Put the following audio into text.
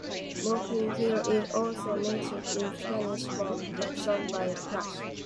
Mockingbird Hill is also mentioned in Spanish Bombs, a song by The Clash.